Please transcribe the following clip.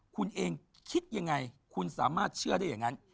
คุณเองคิดยังไงคุณสามารถเชื่อได้อย่างนั้น